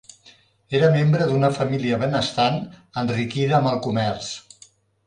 Era membre d'una família benestant enriquida amb el comerç.